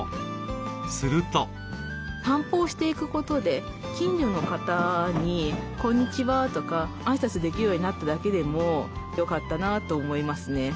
散歩をしていくことで近所の方に「こんにちは」とか挨拶できるようになっただけでもよかったなと思いますね。